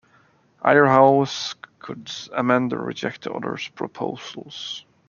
Either house could amend or reject the others' proposals.